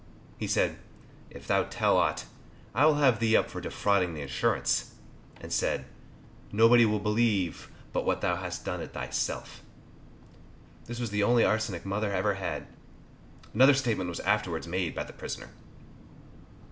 He said, "If thou tell aught, I will have thee up for defrauding the insurance," and said, "Nobody will believe but what thou hast done it thyself." This was the only arsenic my mother ever had. Another statement was afterwards made by the prisoner.